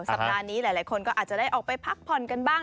สัปดาห์นี้หลายคนก็อาจจะได้ออกไปพักผ่อนกันบ้าง